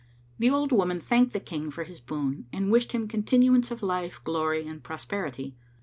The old woman thanked the King for his boon and wished him continuance of life, glory and prosperity.